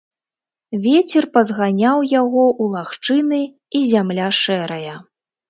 Вецер пазганяў яго ў лагчыны, і зямля шэрая.